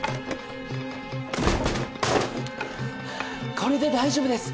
これで大丈夫です。